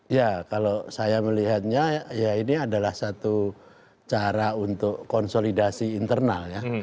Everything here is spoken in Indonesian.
ya kalau saya melihatnya ya ini adalah satu cara untuk konsolidasi internal ya